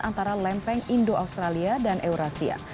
antara lempeng indo australia dan eurasia